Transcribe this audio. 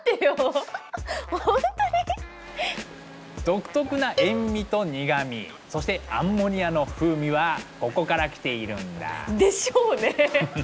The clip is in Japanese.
独特な塩味と苦味そしてアンモニアの風味はここから来ているんだ。でしょうね。